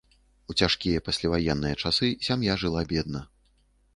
У цяжкія пасляваенныя часы сям'я жыла бедна.